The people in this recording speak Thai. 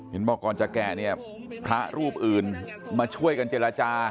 บอกก่อนจะแกะเนี่ยพระรูปอื่นมาช่วยกันเจรจา